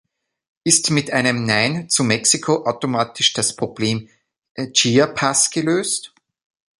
Ist mit einem Nein zu Mexiko automatisch das Problem Chiapas gelöst?